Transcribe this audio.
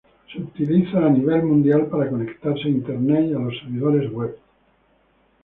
Se utiliza a nivel mundial para conectarse a Internet y a los servidores web.